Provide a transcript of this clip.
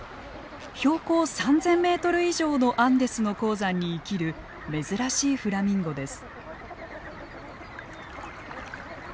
標高３，０００メートル以上のアンデスの高山に生きる珍しいフラミンゴです。